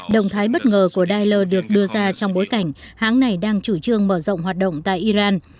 động thái bất ngờ của dailer được đưa ra trong bối cảnh hãng này đang chủ trương mở rộng hoạt động tại iran